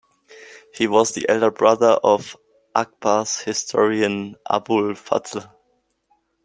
He was the elder brother of Akbar's historian Abul Fazl.